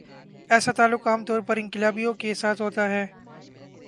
ایسا تعلق عام طور پر انقلابیوں کے ساتھ ہوتا ہے۔